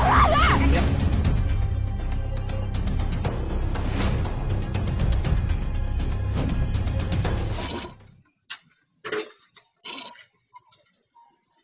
สวัสดีครับ